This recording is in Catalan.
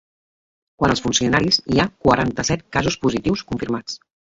Quant als funcionaris, hi ha quaranta-set casos positius confirmats.